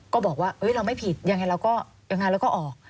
ก็บอกว่าเราไม่ผิดยังไงเราก็ออก